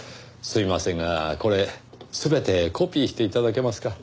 すみませんがこれ全てコピーして頂けますか？